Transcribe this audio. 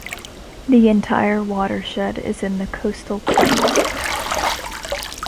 The entire watershed is in the coastal plain.